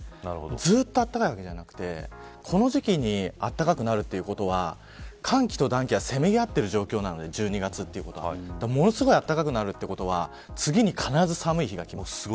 ずっと暖かいわけではなくてこの時期に暖かくなるということは寒気と暖気がせめぎ合っている状況なので１２月ということはものすごいあったかくなるということは次に必ず寒い日がきます。